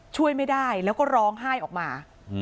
ช่วยไม่ได้แล้วก็ร้องไห้ออกมา